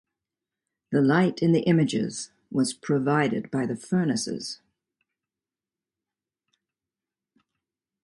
The light in the images was provided by the furnaces.